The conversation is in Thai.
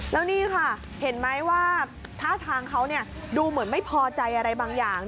แล้วนี่ค่ะเห็นไหมว่าท่าทางเขาดูเหมือนไม่พอใจอะไรบางอย่าง